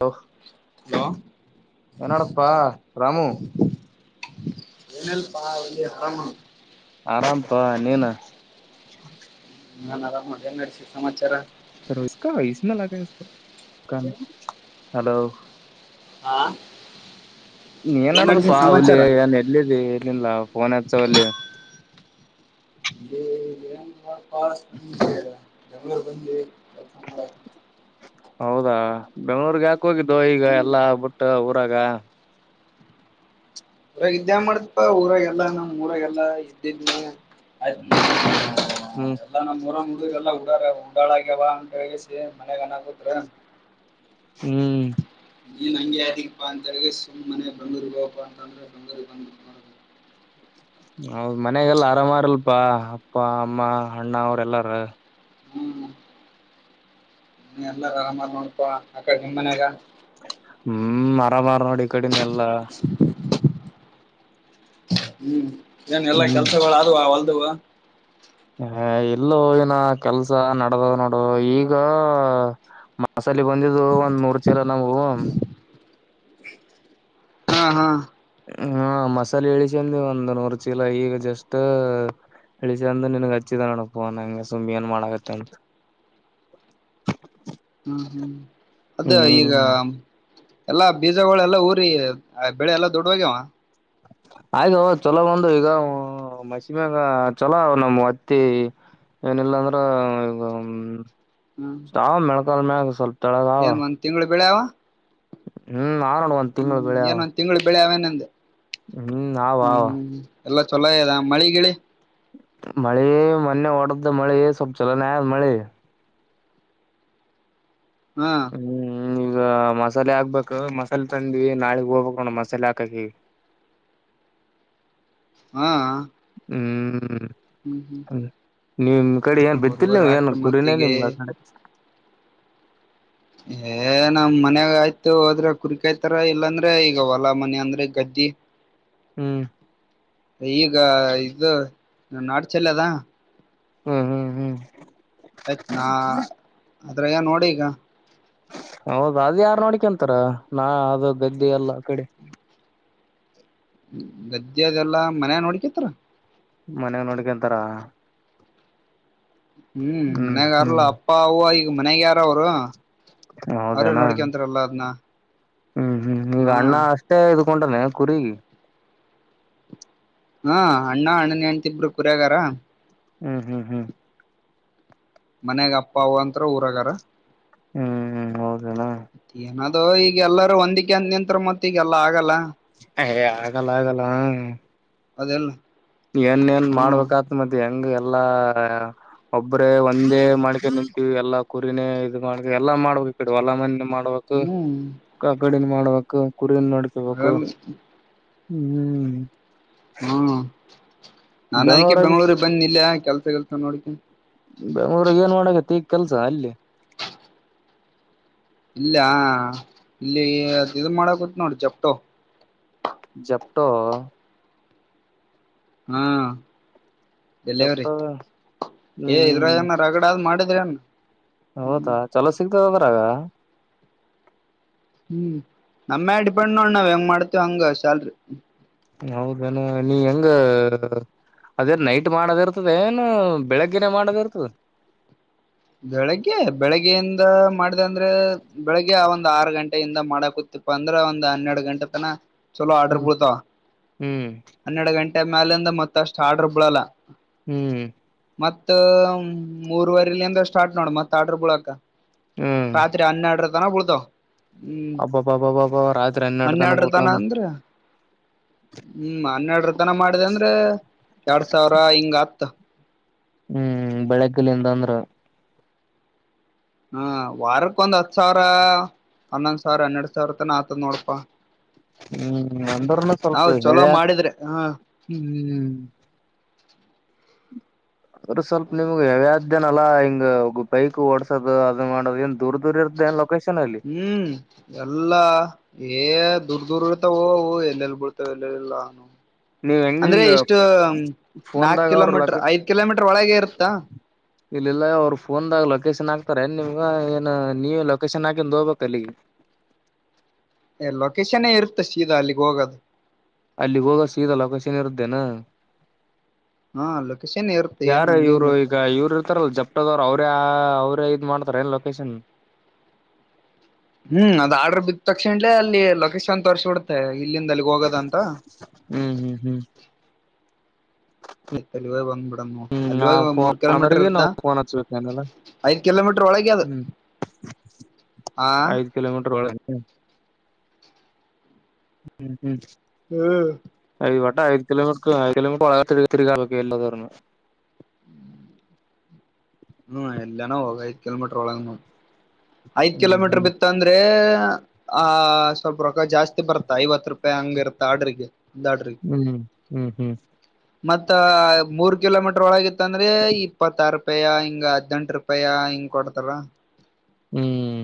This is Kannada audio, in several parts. ಹಲೋ ಹಲೋ ನಾಮ ಏನಡಪ್ಪಾ ರಾಮು [inaudible] ಏನಲ್ಲಪಾ ಒಳ್ಳಿಯ ಹರಾಮ ಆರಾಮಪಾ ನೀನ ನಾನ್ ಆರಾಮ ನಡಸ ಸಮಾಚಾರ ಕ ಇ್ಮೆಲ [unintelligible] ಹಲೋ ಆಾ ನೀಏನ್ ಆಡ್ದ ಪ ಅವಲಿ ಏನ್ ಎಲ್ಲಿದ್ದಿ ಇಲ್ಲಿನ್ಿಲ್ಲ ಫೋನ್ ಹತ್ತ ಅವಲ್ಲಿ [unintelligible] [inaudible] ಮಾಡಕ್ ಹೌದಾ ಬೆಂಗಳೂರ್ಗೆ ಹಾಕ ಹೋಗಿದ್ದು ಈಗ ಹ್ಮ್ ಎಲ್ಲಾ ಬಿುಟ್ಟ ಉ ಇದಾವ. ಊರಾಗ ಇದ್ದ್ಯಾ ಮಾಡ್ತಪ್ಪಾ ಊರಾಗ ಎಲ್ಲಾ ನಮ್ಮ್ ಊರಾಗಲ್ಲಾ ಇದ್ದಿದ. ಆಯ್ತು ಹ್ಮ್ ಎಲ್ಲ ನಮ್ಮಊರ ಲ್ಲ ಹಡಾರ ಉಡಾಗ್ಯಾವ ಅಂತ ಹೇಳಿಸಿ. [unintelligible] ಹ್ಮ್ ನೀನ್ ಹಂಗೆ ಆದಿಪ್ಪಾ ಅಂತ ಹೇಳ ಸುಮ್ಮ್ ಮನೆ ಬಂಗೂರ್ ಹಪ್ಪಾ ಅಂತ ಅಂದ್ರೆ ಬಂಗೂರ್ ಬಂದ. ಹೌದ್ ಮನೆಗಲ್ಲ ಆರಾಮಾರಲ್ಪಾ ಅಪ್ಪ ಅಮ್ಮ ಅಣ್ಣ ಅವ್ರೆಲ್ಲಾರು. ಹ್ಮ್ ನೀ ಎಲ್ಲ ನೋಡ್ಪ ಆಕಡೆ ನಿಮ್ಮ ಮನ್ಯಾಗ. ಹ್ಮ್ ಅರಾಮಾರ ನೋಡಿ ಈ ಕಡೆನ ಎಲ್ಲ. ಹ್ಮ್ ಏನ್ ಎಲ್ಲಾ ಹ್ಮ್ ಕೆಲ್ಸಗಳು ಅದವ ಹೊಲ್ದುವ. ಹ ಎಲ್ಲೂ ಏನ ಕೆಲ್ಸ ನಡದದ್ ನೋಡು ಈಗ. ಮಸಲ್ಲಿ ಬಂದಿದ್ದು ಒಂದ್ ಮೂರು ಚೀಲ ನಾವು. ಹಾ ಹಾ. ಹ್ಮ ಮಸಾಲೆ ಎಳಸಂದ ಒಂದು ನೂರು ಚೀಲ ಈಗ ಜಸ್ಟ್. ಇಳಿಸಿಂದ ನನ್ಗ್ ಹಚ್ಚಿದ ನನಪುವ ನಂಗೆ ಸುಮ್ಮ ಏನ್ ಮಾಡಗತ್ತೆ ಅಂತ. [inaudible] ಹ್ಮ್ ಹ್ಮ್ ಅದ ಈಗ. ಹ್ಮ್ ಎಲ್ಲಾ ಬೀಜಗಳ ಎಲ್ಲಾ ಊರಿ ಬೆಳೆ ಎಲ್ಲಾ ದೊಡ್ವಾಗ್ಯವ. ಆಯ್ಗ ಚೊಲೋ ಒಂದು ಈಗ. ಮಸಮಾಗ ಚಲೋ ನವುತ್ತೆ. ಏನಿಲ್ಲ ಅಂದ್ರ ಈ ಹ್ಮ್ ಸಾವ ಮೆಳ್ಕಲ್ ಮ್ಯಾಗ ಸ್ವಲ್ಪ. ತಳಗ ಅವ ಏನ್ ಒಂದ್ ತಿಂಗ್ಗಳು ಬೆಳ್ಯ. ಹ್ಮ್ ನನನೋಡಾ ಒಂದ್ ತಿಂಗಳ ಬೆಳೆ. ಏನ್ [unintelligible] ಹ್ಮ್ ಆವ ಆವ. ಎಲ್ಲ ಚೊಲೋ ಇದದ ಮಳಿ ಗಿಳಿ. ಮಿ ಮನ್ನೆ ಒಡದ್ದ ಮಳಿ ಸೊಪ್ಪ ಚಲೋ ನಾ ಅದ ಮಳಿ. ಹಾ. ಹ ಈಗ ಮಸಾಲೆ ಹಾಕ್ಬೇಕು ಮಸಾಲೆ ತಂದಿವವಿ ನಾಳಗ್ ಹೋಗ್ಬೇಕುಣ್ಣ್ ಮಸಾಲೆ ಹಾಕಕ ಈಗ್. [inaudible] ಹಾ. ಹ್ಮ. ಹ್ಮ್ ಹ್ಮ್ ಹ್ಮ ನಿಮ ಕಡೆ ಏನ್ ಬಿತ್ತಲ್ ಮೂರ್ವರೆ ನೀವ್ ಏನ್ ಹಾಕ್ರ ಗುಡುನೆ ಮತ್ತಿಗೆ ನಿಮ್ಗ ಆ ಕಡೆ. ಏ ನಮ್ ಮನ್ಯಾಗ ಆಯ್ತು ಹೋದ್ರೆ ಕುರಿಕಾಯ್ತಾರ ಇಲ್ಲಾಂದ್ರೆ ಈಗ ಹೊಲಾ ಮನ ಅಂದ್ರೆ ಗ [unintelligible] ಹ್ಮ್. ಈಗ ಇದು ನ ನಾಡ್ ಚಲ್ಲ ಅದಾ. ಹ್ಮ್ ಹ್ಮ್ ಹ್ಮ್. ಮತ್ತ್ ನಾ ಅದ್ರಾಗ ನೋಡಿ ಈಗ. ಹೌದ ಅದ ಯಾರ್ ನೋಡಿಕ ಅಂತಾರ ನಾ ಅದು ಗದ್ದೆ ಎಲ್ಲ ಆ ಕಡೆ. [unintelligible] ಗದ್ದೆದೆಲ್ಲಾ ಮನ್ಯಗ ನೋಡ್ಕತ್ರ. ಮನ್ಯಾಗ ನೋಡ್ಕೋತಾರ. ಹ್ಮ್ ಮನ್ಯಾಗಾರಲ್ಲ ಅಪ್ಪ ಅವ್ವ ಈಗ ಮನ್ಯಾಗ ಯಾರ ಅವರು. ಅವ್ರೇ ಹೌದೇನಾ ನೋಡ್ಕೋತಾರ ಎಲ್ಲಾ ಅದ್ನ. ಹ್ಮ್ ಹ್ಮ್ ಈಗ ಹಾ ಅಣ್ಣ ಅಷ್ಟೇ ಇದ್ಕೊಂಡಾನೆ ಕುರಿಗ. ಹಾ ಅಣ್ಣ ಅಣ್ಣನ ಹೆಂತಿ ಕುರ್ಯಗಾರ. ಹ್ಮ್ ಹ್ಮ್ ಹ್ಮ್. ಮನ್ಯಾಗ ಅಪ್ಪ ಅವ ಅಂತು ಊರಗಾರ ಹ್ಮ್ ಹೌದೇನಾ ಮತ್ತನ ಅದು ಈಗ ಎಲ್ಲರೂ ಒಂದಕ್ಕೆ ಅಂದ ನಿಂತ ಮತ್ತೆ ಈಗೆಲ್ಲ ಆಗಲ್ಲ ಆಗಲ್ಲ ಆಗಲ್ಲ ಅದಲ್ಲ ಏನನ್ ಮಾಡ್ಬೇಕ ಆತ್ ಮತ್ತ ಹೆಂಗ ಎಲ್ಲಾ ಒಬ್ಬ್ರೇ ಒಂದೇ ಮಕೆ ನಿಂತವಿ ಎಲ್ಲಾ ಕುರಿನೇ ಇದ ಮಾಡ್ಕ ಎಲ್ಲಾ ಮಾಡ್ಬೇಕಕ್ ಕಡವ ಅಲ್ಲ ಮಂದ ಮಾಡ್ಬೇಕು ಹ್ಮ್ ಕಾಗಡಿನ ಮಾಡ್ಬೇಕು ಕುರಿನ್ ನಡ್ಕಬೇಕು ಆಗಲ್ಲ ಹ್ಮ್ ಹ್ಮ್ ನಾಾನ ಅದಕ್ಕೆ ಬೆಂಗಳೂರು ಬಂದ್ ನಿಲ್ಲಯ ಬೆಂಗ್ಳೂರ್ ಏನ್ ಮಾಡಕತಿ ಕೆಲ್ಸ ಅಲ್ಲ ಇಲ್ಲ ಇಲ್ಲಿ ಅ ಇ ಮಾಡಕತ್ ನೋಡ ಜಪ್ಪಟು ಜಪಟ್ಟೋ ಹಾ ಡೇಲಿವರಿ ಜಪ್ಟೋ ಏ ಇದ್ರ ಹ್ಮ್ ನ ರಗಡ ಆದ್ ಮಾಡಿದ [unintelligible] ಹೌದಾ ಚಲೋ ಸಿಗ್ತದ ಅದ್ರಗ ಹ್ಮ್ ನಮ್ಮೇ ಡಿಪೆಂಡ್ ನೋಡ್ ನಾವ್ ಹೆಂಗ್ ಮಾಡ್ತವಿ ಹಂಗ ಶ್ಯಾಲ್ರಿ ಹೌದಾನ ನೀ ಹೆಂಗ ಅದೇ ನೈಟ್ ಮಾಡೋದ ಇರ್ತದ ಏನು ಬೆಳಗ್ಗಿನೇ ಮಾಡದ ಇರ್ತದೆ ಬೆಳಿಗ್ಗೆ ಬೆಳಗ್ಗೆಯಿಂದ ಮಾಡ್ದಂದ್ರೆ ಬೆಳಿಗ್ಗೆ ಆ ಒಂದ್ ಆರು ಗಂಟೆಯಿಂದ ಮಾಡಕ ಇ ಪಂದ್ರ ಒಂದ್ ಹನ್ನೆರಡು ಗಂಟೆ ತನ ಚಲೋ ಆರ್ಡ್ರ ಹ್ಮ್ ಬಿಳ್ತಾವ ಹ್ಮ್ ಹನ್ನೆರಡು ಗಂಟೆ ಮ್ಯಾಲಿಂದ ಮತ್ತ ಅಷ್ಟು ಆರ್ಡರ್ ಬಿಳಲ್ಲ ಹ್ಮ್ ಮತ್ತ ಮೂರ್ವರ್ ಇಲಿ ಅಂದ್ರ ಸ್ಟಾರ್ಟ್ ನೋಡ ಮತ್ ಆಡ್ರ ಬಳಕ ರಾತ್ರಿ ಹನ್ನೆರಡರ ತನ ಬಿಡ್ತ ಅಬ್ಬಾಬ್ಬ ಅಬ್ಬಬ್ಬ ಅಬ್ಬ ರತ್ರಿ ಹನ್ನೆರಡು ಅಡ್ತಾನ ಹನ್ನೆರಡರ ತನ ಹತಾನು ಅಂದ್ರ ಹ್ಮ್ ಹನ್ನೆರಡರ ತನ ಮಾಡಿದೆ ಅಂದ್ರೆ ಎರಡ್ ಸಾವಿರ ಹಿಂಗ ಹತ್ತ ಹ್ಮ್ ಬೆಳಗ್ಗಲ್ಲಿದ ಅಂದ್ರ ಹ್ಮ ವಾರಕ್ಕ ಒಂದು ಹತ್ತು ಸಾವಿರಾ ಹನ್ನೊಂದ್ ಸಾವರ ಹನ್ನೆರಡ್ ಸಾವಿರ ತನ ಆತದ ನೋಡಪ್ಪಾ ಹ್ಮ್ ಅಂದ್ರನು ಸ್ವಲ್ಪ ಹೇಳ ಚಲೋ ಮಾಡಿದ್ರೆ ಹ ಹ್ಮ ಅವ್ರರು ಸ್ವಲ್ಪ ನಿಮ್ಗೆ ಯಾವ್ಯಾದ್ದ್ಯನಲ್ಲಾ ಹಿಂಗ ಬೈಕ್ ಓಡಸೋದು ಅದು ಮಾಡೋದು ಏನ್ ದೂರ್ ದೂರ ಇರಲ್ಲ ಹ್ಮ್ ಎಲ್ಲಾ ಏ ದದುರ್ ದೂರ್ ಇರ್ತಾವ ಹೋವು ಎಲ್ಲೆಲ್ಲಿ ಬಿಡ್ತವೆ ಎಲ್ಲೆಲ್ಲಾನು ನೀವ್ ಹೆಂಗ ಅಂದ್ರೆ ಹಿಂಗ ಇಷ್ಟು ನಾಕ್ ಫೋನ್ದಾಗ ಅವ್ರ ಕಿಲೋಮೀಟರ್ ಐದ್ ಕಿಲೋಮೀಟರ್ ಒಳಗೆ ಇರುತ್ತಾ ಇಲ್ಲ ಇಲ್ಲ ಅವ್ರು ಫೋನ್ದಾಗ ಲೊಕೇಶನ್ ಹಾಕ್ತಾರೆ ನಿಮ್ ಈ ಏನ ನೀವ ಲೊಕೇಶನ್ ಹಾಕೊಂಡ್ ಹೋಗ್ಬೇಕಲ್ಲಿ ಲೊಕೇಶನ್ ಇರುತ್ತ ಶೀದಾ ಅಲ್ಲಿಗೆ ಹೋಗದು ಅಲ್ಲಿ ಹೋಗ ಸೀದಾ ಲೊಕೇಶನ್ ಇರುದೇನಾ ಹಾ ಲೊಕೇಶನ್ ಇರುತ್ತೆ ಏನ್ ಯಾರ ಹಂಗೇನ್ ಇವರು ಇರ್ಲ್ಲ ಈಗ ಇವರು ಇರ್ತಾರಲ್ಲ ಜಪ್ಪ ಅದವ್ರ ಅವ್ರ ಅವ್ರ ಇದ್ ಮಾಡ್ತಾರ ಏನ್ ಲೊಕೇಶನ್ ಹ್ಮ್ ಅದ ಆರ್ಡರ್ ಬಿದ್ದ ತಕ್ಷಣಲ್ಲೇ ಅಲ್ಲಿ ಲೊಕೇಶನ್ ತೋರಿಸಿಬಿಡ್ತೆ ಇಲ್ಲಿಂದ ಅಲ್ಲಿಗೆ ಹೋಗದಂತ ಹ್ಮ್ ಹ್ಮ್ ಹ್ಮ್ ತಲುವೇ ಬಂದ್ಬಿಡನ್ನ ಹ್ಮ್ ಆ ಅಲ್ಲಿಗ ಒ ಫೋನ್ ಮೂರ್ ಕಿಲೋಮೀಟರ್ ನಂಬರ್ಗೆ ಇ್ದ ನಾವು ಫೋನ್ ಹಚ್ಬೇಕೇನಲ್ಲ ಐದ್ ಕಿಲೋಮೀಟರ್ ಒಳಗೆ ಅದು ಆ ಐದು ಕಿಲೋಮೀಟರ್ ಒಳ ಹ್ಮ್ ಹ್ಮ್ ಹ್ಮ್ ಟ್ಟ ಆಯರ ಕಿಲೋಮೀಟರ್ ಆ ಕಿಲೊಮೀಟರ್ ಒಳಗಳ ಎಲ್ಲ ತ ಹ್ಮ್ ಎಲ್ಲನ ಹೋಗ ಐದ ಕಿಲೋಮೀಟ್ರರ್ ಒಳಗ ಐದ್ ಹ್ಮ್ ಕಿಲೋಮೀಟರ್ ಹ್ಮ್ ಬಿತ್ತ ಅಂದ್ರೆ ಆ ಸ್ವಲ್ಪ ರೊಕ್ಕ ಜಾಸ್ತಿ ಬರ್ತಾ ಐವತ್ ರೂಪಾಯಿ ಹಂಗ ಇರ್ತ ಆಡ್ರಿಗೆ ದಾಡ್ರಿ ಹ್ಮ್ ಹ್ಮ್ ಹ್ಮ್ ಮತ್ತ ಮೂರ್ ಕಿಲೋಮೀಟರ್ ಒಳಗಿತ್ತ ಅಂದ್ರೆ ಇಪ್ಪತ್ತಾರು ರೂಪಾಯಿ ಹಿಂಗ ಹದ್ನೆೆಂಟು ರೂಪಾಯ ಹಿಂಗ್ ಕೊಡ್ತಾರ ಹ್ಮ್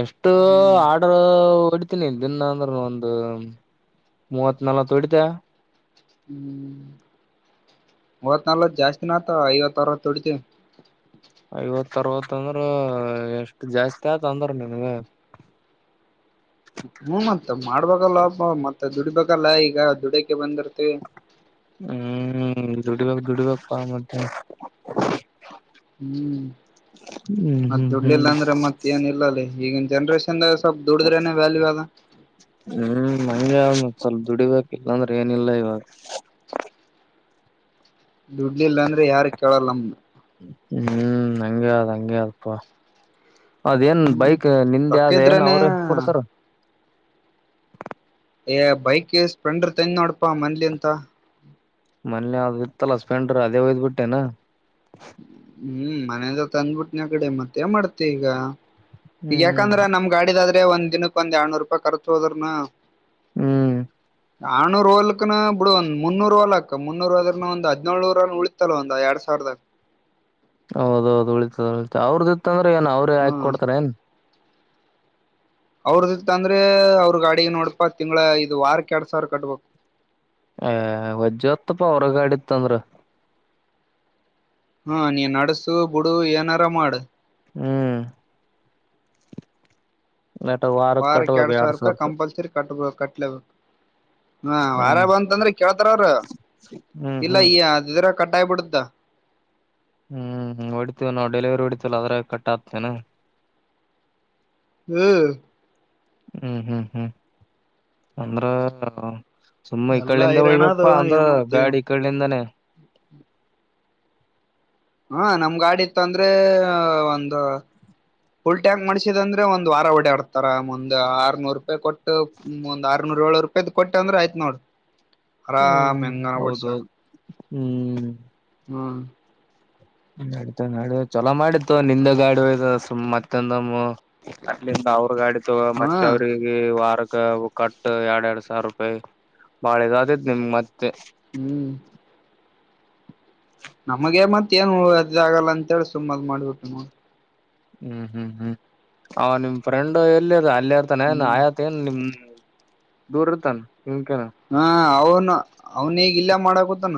ಎಫಸ್ಟ್ ಹ್ಮ್ ಆರ್ಡರ್ ಹೊಡ್ಿತೀನಿ ದಿನ ಅಂದ್ರ ಒಂದು ಮೂವತ್ ನಲ್ವತ್ ಹೊಡಿತ ಹ್ಮ್ ಮೂವತ್ ನಲ್ವ ಜಾಸ್ತಿ ನತ ಐವತ್ತು ಅರವ ತೊಡಿತಿ ಐವತ್ ಅರವತ್ ಅಂದ್ರ ಎಷ್ಟ ಜಾಸ್ತಿ ಆತ ಅಂದ್ರ ನಿಮಗೆ ಹ್ಮ್ ಮತ್ತತ್ ಮಾಡ್ಬೇಕಲ್ಲ ಮತ್ತೆ ದುಡಿಬೇಕಲ್ಲ ಈಗ ದುಡ ಬಂದರ್ತೆ ದುಡಬೇಕಕ್ ದುಡಬೇಕಕ್ ಮೆ ಹ್ಮ್ ಹ್ಮ್ ಮತ್ತ ಹ್ಮ್ ಹ್ಮ್ ದುಡ್ಲಿಲ್ಲ ಅಂದ್ರೆ ಮತ್ತ ಏನ ಇಿಲ್ಲಲ್ಲಿ ಈಗಿನ ಜನ್ರೇಷನ್ ಹ್ಮ್ ಮಗೆ ಅವ ಸ್ವಲ್ಪ ದುಡಿಬೇಕ ಹಿಲ್ಲಾಂದ್ರೆ ಏನಿಲ್ಲ ಇವಾಗ ದುಡ್ಲಿಲ್ಲ ಅಂದ್ರೆ ಯಾರ ಕೇಳಲ್ಲ ನಮ್ದು ಹ್ಮ್ ಹಂಗಗೆ ಅ ಹಂಗಗೆ ಅಪ್ಪ ಅದೇನ್ ಹ್ಮ್ ಬೈಕ್ ನಿಂದೆ ರೊಕ್ಕ ಆದ ಏನ್ ಇದ್ರನೆ ಅವರು ಕೊಡ್ತಾರ ಬೈಕ್ ಸ್ಪ್ಲೆಂಡರ್ ತಂದಿ ನೋಡಪಾ ಮನ್ಲಿ ಅಂತ ಮೊನ್ನೆ ಅ ಇತ್ತಲ್ಲ ಸ್ಪೆಂಡ್ರ ಅದೇ ಹಯ್ದ್ ಬಿಿಟ್ಟೆನಾ ಹ್ಮ್ ಮನೇದ ತಂದ್ಬಿಟ್ಟನ ಕಡೆ ಮತ್ತೆ ಮಾಡ್ತಿ ಈಗ ಈಗ ಹ್ಮ್ ಯಾಕಂದ್ರ ನಮ್ ಗಾಡಿದಾದ್ರೆ ಅೇ ಒಂದ್ನಕ್ಕಕ್ ಒಂದ ಎರಡ್ನೂರು ರೂಪಾಯಿ ರ್ಚು ಹೋದ್ರನು ಹ್ಮ್ ಆರ್ನೂರು ವೋಲ್ಕನ ಬಿಡು ಒಂದ ಮುನ್ನೂರು ವೋಲ್ಾಕ್ ಮುನ್ನೂರ್ ಹದನ ಒಂದ ಹದ್ೇಳೂರುರಲ್ ಉಳಿತಲ್ಲ ಒಂದ್ ಎರಡ್ ಸಾವರದಕ್ ಹೌದೌದು ಉಳಿತದ ಉಳಿತ ಅವ್ರದಿತ್ತ ಅಂದ್ರ ಏನ್ ಅವ್ರೇ ಆಾಕಕ್ ಹ್ಮ್ ಕೊಡ್ತಾರ ಏನ್ ಅವ್ರ್ದಿತ್ ಅಂದ್ರೆ ಅವ್ರ ಗಾಡಿಗೆ ನೋಡಪಾ ತಿಂಗಗಳ ಇದು ವಾರಕ್ಕೆ ಎಡ್ ಸಾವಿರ ಕಟ್ಬೇಕು ಆ ವಜ್್ರ ಹೊತ್ತ ಪ ಅವರಗಾಡಿತ್ತಂದ್ರ ಹಾ ನೀ ನಡ್ಸು ಬಿುಡು ಏನಾರ ಮಾಡ ಹ್ಮ್ ನಟ ವಾರಕ್ ವಾರಕ್ಕೆ ಕಟ್ಬೇಕ ಎಡು ಸಾವಿರ ಎರಡ್ ರೂಪಾಯ ರೂಪಾಯಿ ಕಂಪಲ್ಸರಿ ಕಟ್ ಕಟ್ಲಬೇಕ ಹಾ ವಾರ ಬ ಅಂತಂದ್ರೆ ಕೇಳ್ತಾರ ಅವ್ರ ಹ್ಮ್ ಹ್ಮ್ ಇಲ್ಲ ಹ್ಮ್ ಈ ಅಿದ್ರ ಕಡ್ಾಯಪಡುತ್ತ ಹ್ಮ್ ಹೊಡಿತೀವಿ ನಾವು ಡೆಲಿವರಿ ಹೊಡಿತೀವಲ್ಲ ಅದ್ರ ಕಟ್ ಆಗ್ತೇನೆ ಹ್ಮ್ ಹ್ಮ್ ಹ್ಮ್ ಹ್ಮ್ ಅಂದ್ರ ಸುಮ್ಮ ಈ ಎಲ್ಲಾ ಕಡ್ಲಿಂದ ಹೈರಾಣ ಅದು ಹೊಯ್ಬೇಕಪ್ಪಾ ಅಂದ್ರ ಏನ್ ಮಾಡ್ತೀವಿ ಗಾಡಿ ಈ ಕಡ್ಲಿಂದಾನೇ ಹಾ ನಮ್ ಗಾಡಿ ಇತ್ತ ಅಂದ್ರೆ ಒಂದು ಫುಲ್ ಟ್ಯಾಂಕ್ ಮಾಡ್ಸಿದ ಅಂದ್ರೆ ಒಂದ್ ವಾರ ಡಾಡ್ತಾರ ಮುಂದ್ ಆರ್ನೂರು ರೂಪಾಯಿ ಕೊಟ್ಟು ಒಂದ್ ಆರ್ನೂರು ಏು ರೂಾಯ್ಟ್ಟಂದ್ರ ಆಯ್ತ ನೋಡ್ ಆರಾಮ್ ಹ್ಮ್ ಹೆಂಗನ ಓಡ್ಸಾಕ್ ಹೌದೌದು ಹ್ಮ್ ಹ್ಮ್ ನತ ನ ಚಲೋ ಮಾಡಿತ್ತುು ನಿಂದೆ ಗಾಡು ಇ ಸು್ ಮತ್ತೊಂದ ಅವ್ರ ಗಾಡಿ ತಗ ಮೆ ಹಾ ಅವ್ರಿಗೆ ವಾರ ಕಟ್ಟ ಎರಡ್ ಎರಡ್ ಸಾವಿರ ರೂಪಾಯಿ ಬಾಳೆಗಾದತ್ ನಿಮ್ ಮತ್ತೆ ಹ್ಮ್ ನಮಗೆ ಮತ್ ಏನು ಅದ ಆಗಲ್ಲ ಅಂತೇಳಿ ಸುಮ್ಮದ ಮಾಡ್ಬಿಟ್ಟು ನೋಡಿ ಹ್ಮ್ ಹ್ಮ್ ಹ್ಮ್ ಅವ ನಿಮ್ ಫ್ರೆಂಡ್ ಎಲ್ಲಿರ್ ಅಲ್ಲ ಇರ್ತಾನ ಏನ್ ಹ್ಮ್ ಆಯತ ಏನ್ ನಿಮ್ ದೂರ ಇರ್ತನ [unintelligible] ಹಾ ಅವನು ಅವನ ಈಗ ಇಲ್ಲಾ ಮಾಡಕೂತಾನ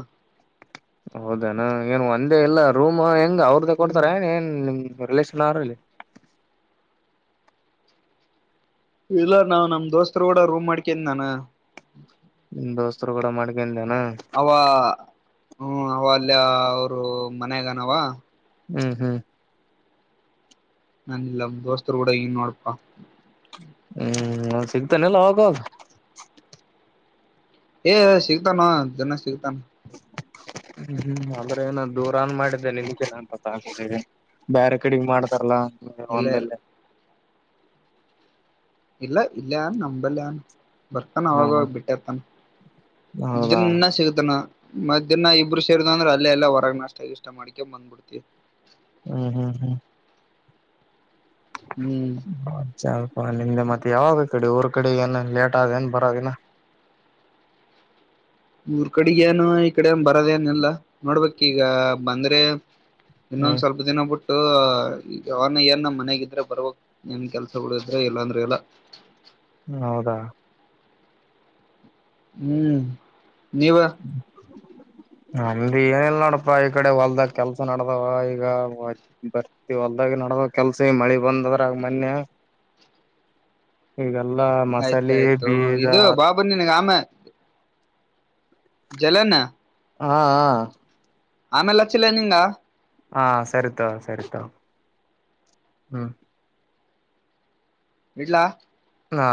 ಹೌದೇನಾ ಏನ್ ಒಂದೇ ಇಲ್ಲ ರೂಮ್ ಹೆಂಗ್ ಅವ್ರದ್ದ ಕೊಡ್ತಾರ ಏ ಏನ್ ನಿಮ ರಿಲೇಶನ್ ಆರ ಅಲ್ಲಿ. ಇಲ್ಲ ನಾವ್ ನಮ್ ದೋಸ್ತರು ಕೂಡ ರೂಮ್ ಮಾಡ್ಕೊಂಡಿದ್ದೀನಿ ನಾನು ನಿಮ ದೋಸ್ತರು ಕೂಡ ಮಾಡಿಕೊಂಡೆನು ಅವ ಹ್ಮ ಅವ ಅಲ್ಯಾ ಅವರ ಮಾನ್ಯಗನವ ಹ್ಮ್ ಹ್ಮ್ ನಾನ ಇಲ್ಲಿ ನಮ್ ದೋಸ್ತರು ಗೂಡ ಇನಿ ನೋಡಪಾ. ಹ್ಮ್ ನಾ ಅವ್ನು ಸಿಕ್ತಾ ನಿಲ್ಲ ಅವಾಗವಾಗ. ಏ ಸಿಗ್ತಾನ ನೋ ದಿನ್ನ ಸಿಗ್ತಾನ. ಹ್ಮ್ ಹ್ಮ್ ಅಂದ್ರೆ ನಾನ ದೂರ ಅನಾ ಮಾಡಿದ್ದೆ ನಿನ್ಗೆ ಕಿಂತ ಪತ್ತ ಹಾಕೊಂಡಿದೆ. ಬ್ಯಾರಿ ಕಡಿಗೆ ಮಾಡ್ತಾರಲ್ಲಾ ಇಲ್ಲ ಒಂದಲ್ಲೇ. ಇಲ್ಲ ಇಲ್ಯಾನ ನಂಬಲಾನಾ. ಬರ್ತಾನ ಹ್ಮ ಅವಾಗವಾಗ ಬೆಟ್ಟಿ ಆತನ ಹೌದಾ ದಿನ್ನ ಸಿಗತಾನ. ಮಧ್ಯಾಹ್ನ ಇಬ್ರು ಸೇರಿದೆವು ಅಂದ್ರೆ ಅಲ್ಲೆ ಎಲ್ಯನ ಹೊರಗ್ ನಾಷ್ಟ ಗಿಷ್ಟ ಮಾಡ್ಕೊಂಡು ಬಂದ್ಬಿಡ್ತಿವಿ. ಹ್ಮ್ ಹ್ಮ್ ಹ್ಮ್ ಹ್ಮ್ [unintelligible] ನಿಮ್ಡೆ ಮತ್ತೇ. ಯಾವಾಗ ಈ ಕಡೆ ಊರ ಕಡೆ ಏನ ಲೇಟ್ ಅದೇನು ಏನ್ ಬರೋದಿನ. ಊರ್ ಕಡೆಗೇನು ಈ ಕಡೆ ಏನ್ ಬರದೇನೆಲ್ಲ ನೋಡ್ಬೇಕ್ ಈಗ ಬಂದ್ರೆ ಹ್ಮ್ ಇನ್ನೊಂದ್ ಸ್ವಲ್ಪ ದಿನ ಬಿಟ್ಟು. ಈಗ ಯಾವಾಗ ಏನ್ ಮನಗಿದ್ರೆ ಬರ್ಬಕ್ ಏನ್ ಕೆಲ್ಸ ಗಳು ಇದ್ರೆ ಇಲ್ಲಾ ಅಂದ್ರೆ ಇಲ್ಲ. ಹ್ಮ ಹೌದಾ. ಹ್ಮ್ ನೀವ [inaudible] ಆಮೇಲೆ ಏನಿಲ್ ನೋಡಪ್ ಈ ಕಡೆ ಹೊಲ್ದಾಗ ಕೆಲ್ಸ ನಡ್ದವ ಈಗ ಬರ್ತಿ ಹೊಲ್ದಾಗ ನಡದವ ಕೆಲ್ಸ ಈಗ ಮಳಿ ಬಂದದ ಮೊನ್ನೆ ಈಗ. ಅಲ್ಲ ಮಸಾಲೀ ಆಯ್ತಾಯ್ತು ಬೀಜ. ಇದು ಬಾಬು ಜಲನಾ. ಹ್ಹಾ ಹ್ಹಾ. ಆಮೇಲೆ ಅಚ್ಚಿಲ್ಲೆ ನಿಂಗ. ಹಾ ಸರಿ ತಗೋ ಸರಿ ತಗೋ ಹ್ಮ್. ಇಡ್ಲ. ಹ್ಹಾ.